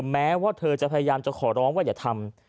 แม้ว่าเธอจะพยายามจะขอร้องว่าอย่าทำ